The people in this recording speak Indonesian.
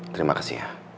terima kasih ya